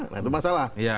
nah itu masalah